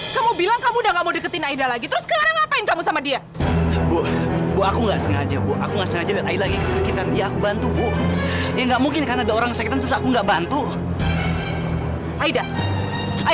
sampai jumpa di video selanjutnya